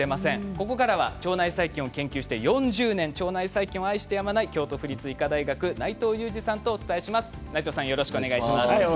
ここからは腸内細菌を研究して４０年腸内細菌を愛してやまない京都府立医科大学の内藤裕二さんとお伝えします。